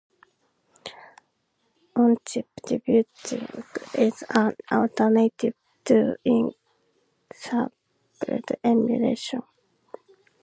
"On-chip debugging" is an alternative to in-circuit emulation.